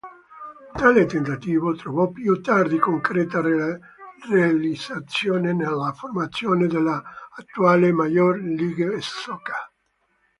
Tale tentativo trovò più tardi concreta realizzazione nella formazione dell'attuale Major League Soccer.